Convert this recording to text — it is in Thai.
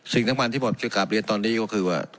สิ่งทั้งหมดที่ผมการเรียนตอนนี้ก็คือว่า